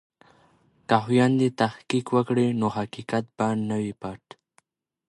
که خویندې تحقیق وکړي نو حقیقت به نه وي پټ.